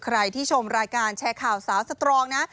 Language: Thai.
ใครที่ชมรายการแชร์ข่าวสาวสตรองนะ